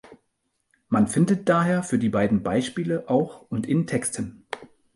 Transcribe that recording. Man findet daher für die beiden Beispiele auch und in Texten.